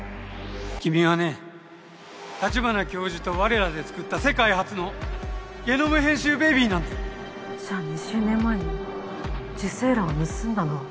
君はね立花教授と我らでつくった世界初のゲノム編集ベビーなんだよじゃあ２０年前に受精卵を盗んだのは。